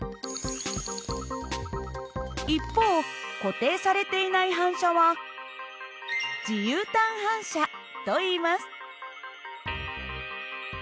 一方固定されていない反射は自由端反射といいます。